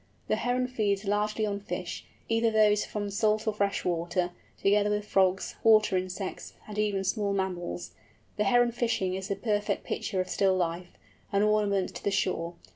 The Heron feeds largely on fishes, either those from salt or fresh water, together with frogs, water insects, and even small mammals. The Heron fishing is a perfect picture of still life, an ornament to the shore.